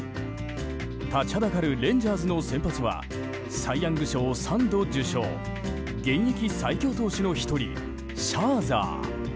立ちはだかるレンジャーズの先発はサイ・ヤング賞３度受賞現役最強投手の１人シャーザー。